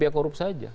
ya korup saja